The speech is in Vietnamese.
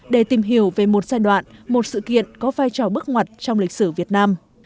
để tìm hiểu về một giai đoạn một sự kiện có vai trò bức ngoặt trong lịch sử việt nam